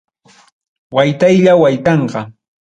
Waytaylla waytanqa.